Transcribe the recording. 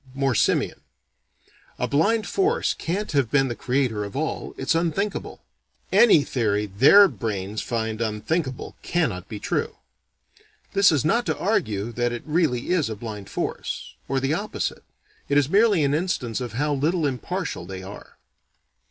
(More simian.) "A blind force can't have been the creator of all. It's unthinkable." Any theory their brains find "unthinkable" cannot be true. (This is not to argue that it really is a blind force or the opposite. It is merely an instance of how little impartial they are.)